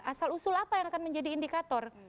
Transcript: asal usul apa yang akan menjadi indikator